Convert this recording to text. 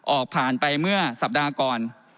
ออกผ่านไปเมื่อสัปดาห์ก่อน